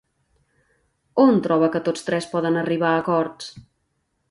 On troba que tots tres poden arribar a acords?